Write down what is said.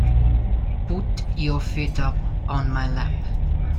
Put your feet up on my lap.